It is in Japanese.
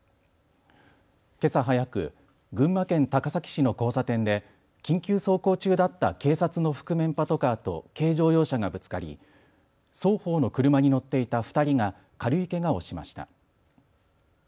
けさ早く、群馬県高崎市の交差点で緊急走行中だった警察の覆面パトカーと軽乗用車がぶつかり双方の車に乗っていた２人が軽いけがをしました。